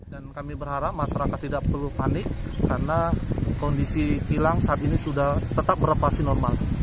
dan kami berharap masyarakat tidak perlu panik karena kondisi kilang saat ini sudah tetap beroperasi normal